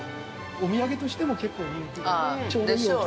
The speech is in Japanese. ◆お土産としても結構人気です。